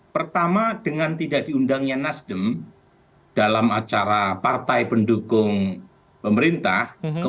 pertama dengan tidak diundangnya nasdem dalam acara partai pendukung pemerintah